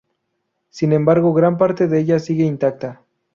Sin embargo, gran parte de ella sigue intacta.